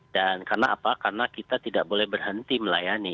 dan karena apa karena kita tidak boleh berhenti melayani